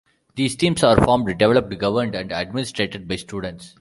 These teams are formed, developed, governed, and administrated by students.